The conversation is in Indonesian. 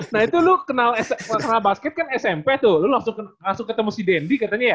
nah itu lo kenal basket kan smp tuh lo langsung ketemu si dendy katanya ya